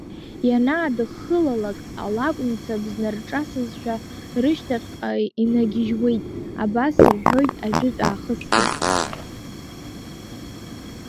Ианаадыххылалак, алакә мцабз нарҿасызшәа, рышьҭахьҟа инагьыжьуеит, абас рҳәоит ажәытә аахысгьы.